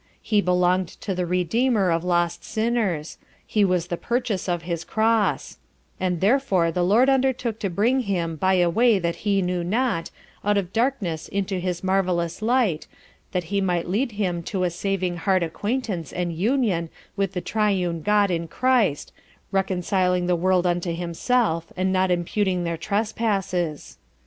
He belong'd to the Redeemer of lost Sinners; he was the Purchase of his Cross; and therefore the Lord undertook to bring him by a Way that he knew not, out of Darkness into his marvellous Light, that he might lead him to a saving Heart Acquaintance and Union with the triune God in Christ reconciling the World unto himself; and not imputing their Trespasses.